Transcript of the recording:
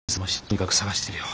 とにかく捜してみるよ。